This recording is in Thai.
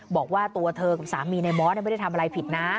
บอกว่าตัวเธอกับสามีในมอสไม่ได้ทำอะไรผิดนะ